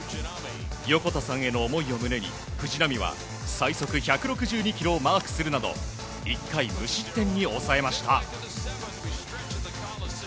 横田さんへの思いを胸に藤浪は最速１６２キロをマークするなど１回無失点に抑えました。